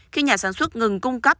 khi nhà sản xuất ngừng cung cấp